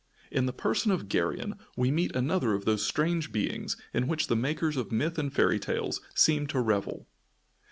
In the person of Geryon we meet another of those strange beings in which the makers of myths and fairy tales seem to revel.